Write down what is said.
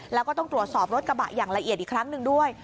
แล้วก็ต้องตรวจสอบรถกระบะอย่างละเอียดอีกครั้งหนึ่งด้วย